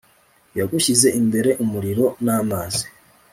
yagushyize imbere umuriro n'amazi